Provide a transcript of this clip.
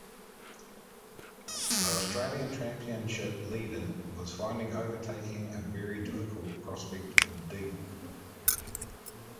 The Austrian championship leader was finding overtaking a very difficult prospect indeed.